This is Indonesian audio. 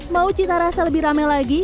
mau cita rasa lebih rame lagi